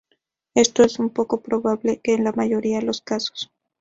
Esto es poco probable en la mayoría de los casos".